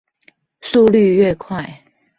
速率愈快